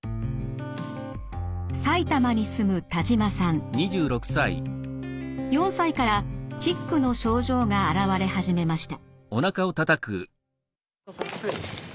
埼玉に住む４歳からチックの症状が現れ始めました。